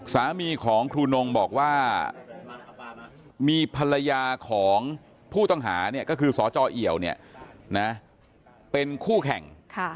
สามีของครูนงบอกว่ามีภรรยาของผู้ต้องหาเนี่ยก็คือสจเอี่ยวเป็นคู่แข่ง